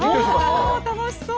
お楽しそう！